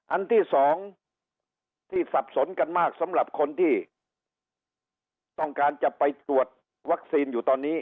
อันที่สองที่สับสนกันมากสำหรับคนที่ต้องการจะไปตรวจวัคซีนอยู่ตอนนี้